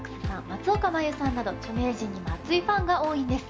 松岡茉優さんなど著名人にも熱いファンが多いんです。